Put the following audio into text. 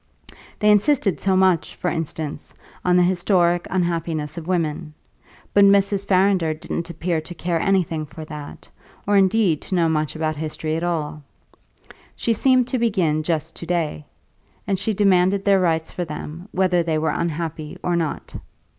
They insisted so much, for instance, on the historic unhappiness of women; but Mrs. Farrinder didn't appear to care anything for that, or indeed to know much about history at all. She seemed to begin just to day, and she demanded their rights for them whether they were unhappy or not.